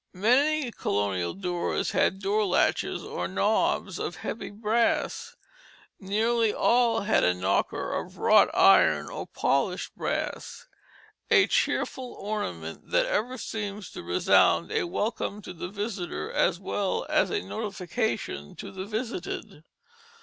Many colonial doors had door latches or knobs of heavy brass; nearly all had a knocker of wrought iron or polished brass, a cheerful ornament that ever seems to resound a welcome to the visitor as well as a notification to the visited.